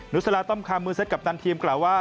สลาต้อมคำมือเซ็ตกัปตันทีมกล่าวว่า